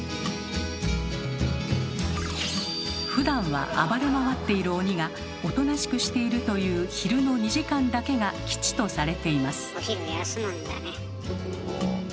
ふだんは暴れ回っている鬼がおとなしくしているという昼の２時間だけが吉とされています。